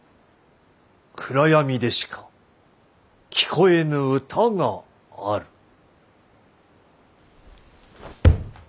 暗闇でしか聴こえぬ歌がある」。